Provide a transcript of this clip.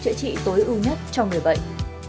chữa trị tối ưu nhất cho người bệnh